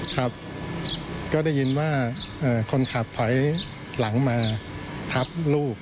ครับก็ได้ยินว่าคนขับถอยหลังมาทับลูก